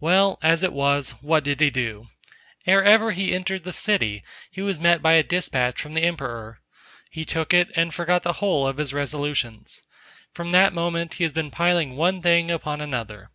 Well, as it was, what did he do? Ere ever he entered the city, he was met by a despatch from the Emperor. He took it, and forgot the whole of his resolutions. From that moment, he has been piling one thing upon another.